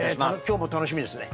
今日も楽しみですね。